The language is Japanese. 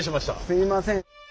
すいません。